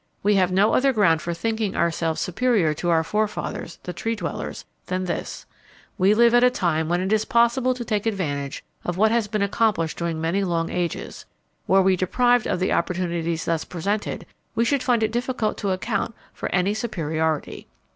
We have no other ground for thinking ourselves superior to our forefathers, the Tree dwellers, than this: We live at a time when it is possible to take advantage of what has been accomplished during many long ages. Were we deprived of the opportunities thus presented, we should find it difficult to account for any superiority.